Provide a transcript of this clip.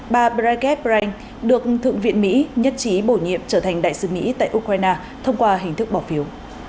bà breitbart được thượng viện mỹ nhất trí bổ nhiệm trở thành đại sứ mỹ tại ukraine thông qua hình thức bỏ phiếu